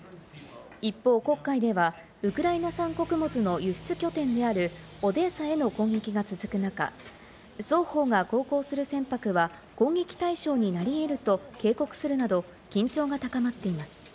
一方黒海では、ウクライナ産穀物の輸出拠点であるオデーサへの攻撃が続く中、双方が航行する船舶は攻撃対象になり得ると警告するなど緊張が高まっています。